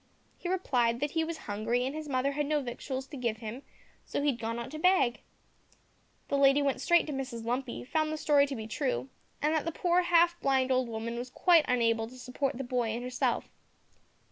He replied that he was hungry, and his mother had no victuals to give him, so he had gone out to beg. The lady went straight to Mrs Lumpy, found the story to be true, and that the poor half blind old woman was quite unable to support the boy and herself.